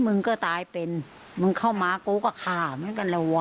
มึงก็ตายเป็นมึงเข้ามากูก็ฆ่าเหมือนกันแล้วว่